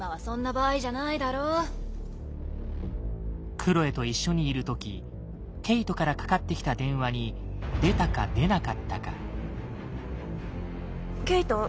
クロエと一緒にいる時ケイトからかかってきた電話に出たか出なかったか。